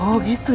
oh gitu ya